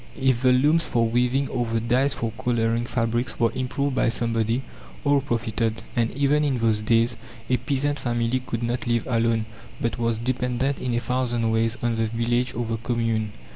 If the looms for weaving or the dyes for colouring fabrics were improved by somebody, all profited; and even in those days a peasant family could not live alone, but was dependent in a thousand ways on the village or the commune.